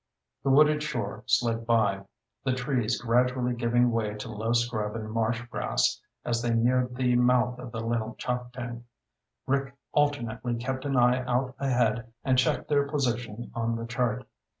The wooded shore slid by, the trees gradually giving way to low scrub and marsh grass as they neared the mouth of the Little Choptank. Rick alternately kept an eye out ahead and checked their position on the chart.